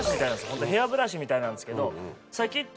ホントヘアブラシみたいなんですけど。